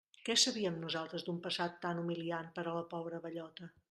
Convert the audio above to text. Què sabíem nosaltres d'un passat tan humiliant per a la pobra bellota!